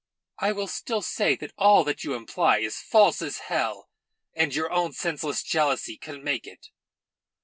"I will still say that all that you imply is false as hell and your own senseless jealousy can make it.